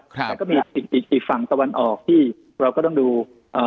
แล้วก็มีอีกอีกฝั่งตะวันออกที่เราก็ต้องดูเอ่อ